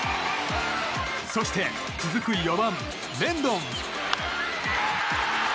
そして続く４番、レンドン。